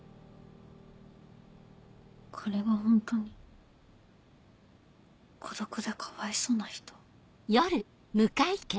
これがホントに孤独でかわいそうな人？